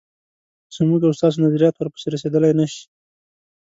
زموږ او ستاسو نظریات ورپسې رسېدلای نه شي.